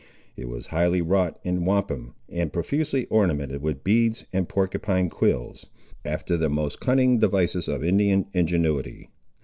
It was highly wrought in wampum, and profusely ornamented with beads and porcupine's quills, after the most cunning devices of Indian ingenuity.